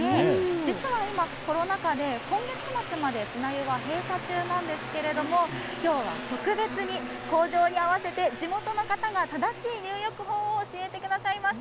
実は今、コロナ禍で、今月末まで砂湯が閉鎖中なんですけれども、きょうは特別に口上に合わせて、地元の方が正しい入浴法を教えてくださいます。